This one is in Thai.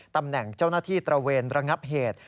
ตำแหน่งเจ้าหน้าที่ตระเวนระงับเหตุ